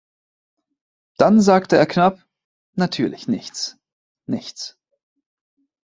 Dann sagte er knapp: „Natürlich nichts; nichts.“